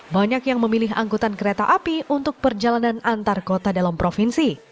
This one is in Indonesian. banyak yang memilih angkutan kereta api untuk perjalanan antar kota dalam provinsi